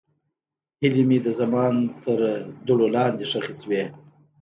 هیلې مې د زمان تر دوړو لاندې ښخې شوې.